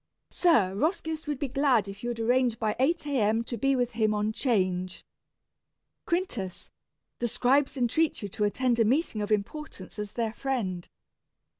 "Sir, Roscius would be glad if you'd arrange By eight a. m. to be with him on 'Change." "Quintus, the scribes entreat you to attend A meeting of importance, as their friend."